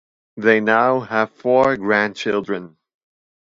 They now have four grandchildren.